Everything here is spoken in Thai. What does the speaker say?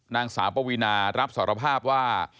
นางสาวปวีนารับสารภาพว่า